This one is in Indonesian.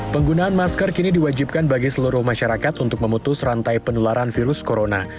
penggunaan masker kini diwajibkan bagi seluruh masyarakat untuk memutus rantai penularan virus corona